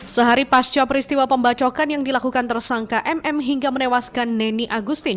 sehari pasca peristiwa pembacokan yang dilakukan tersangka mm hingga menewaskan neni agustin